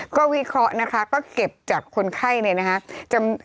ก็วิเคราะห์นะคะก็เก็บจากคนไข้เนี่ยนะคะ